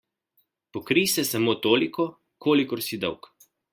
Pokrij se samo toliko, kolikor si dolg.